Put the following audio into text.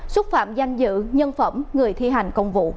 xúc phạm danh dự nhân phẩm người thi hành